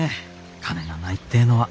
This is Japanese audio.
金がないってえのは。